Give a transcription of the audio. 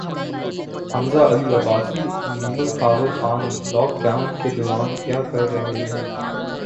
حمزہ علی عباسی اور Naimal Khawar Khan lockdown کے دوران کیا کررہے ہیں